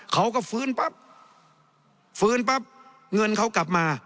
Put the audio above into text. เขาก็ฟื้นปั๊บฟื้นปั๊บเงินเขากลับมา